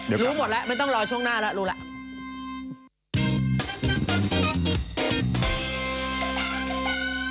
รู้หมดแล้วไม่ต้องรอช่วงหน้าแล้วรู้แล้ว